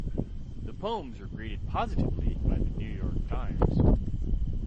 The poems were greeted positively by "The New York Times".